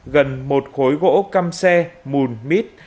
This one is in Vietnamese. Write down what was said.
gần một khối gỗ căm xe mùn mít